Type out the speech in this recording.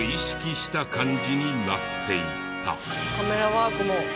カメラワークも。